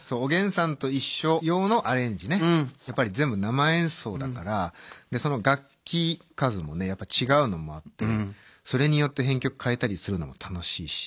やっぱり全部生演奏だからその楽器数もねやっぱ違うのもあってそれによって編曲変えたりするのも楽しいし。